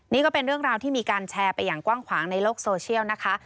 นี่ก็เป็นเรื่องราวที่มีการแชร์ไปอย่างกว้างขวางในโลกโซเชียลนะคะ